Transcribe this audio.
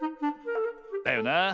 だよなあ。